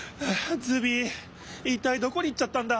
ズビいったいどこに行っちゃったんだ？